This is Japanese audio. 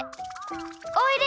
おいで！